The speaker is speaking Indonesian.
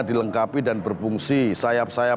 dilengkapi dan berfungsi sayap sayap